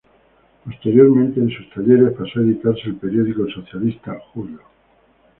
Posteriormente en sus talleres pasó a editarse el periódico socialista "Julio".